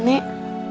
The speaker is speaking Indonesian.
nanti ya nek